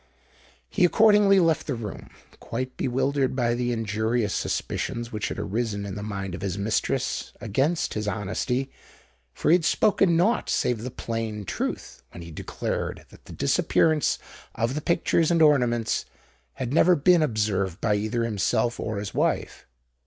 He accordingly left the room, quite bewildered by the injurious suspicions which had arisen in the mind of his mistress against his honesty; for he had spoken naught save the plain truth when he declared that the disappearance of the pictures and ornaments had never been observed by either himself or his wife.